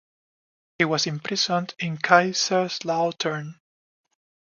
He was imprisoned in Kaiserslautern.